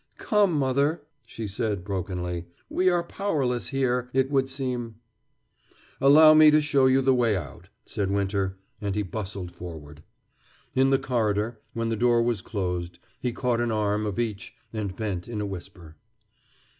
"Come, mother," she said brokenly. "We are powerless here, it would seem." "Allow me to show you the way out," said Winter, and he bustled forward. In the corridor, when the door was closed, he caught an arm of each and bent in a whisper.